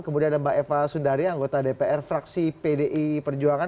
kemudian ada mbak eva sundari anggota dpr fraksi pdi perjuangan